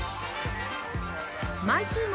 毎週末